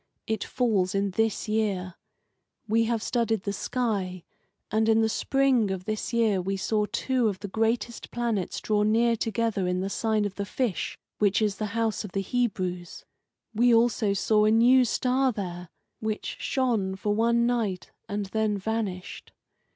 It falls in this year. We have studied the sky, and in the spring of the year we saw two of the greatest planets draw near together in the sign of the Fish, which is the house of the Hebrews. We also saw a new star there, which shone for one night and then vanished.